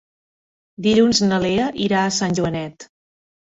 Dilluns na Lea irà a Sant Joanet.